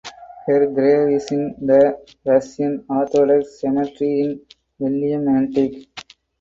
Her grave is in the Russian Orthodox Cemetery in Willimantic.